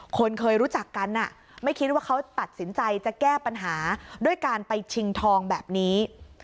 คนเคยรู้จักกันไม่คิดว่าเขาตัดสินใจจะแก้ปัญหาด้วยการไปชิงทองแบบนี้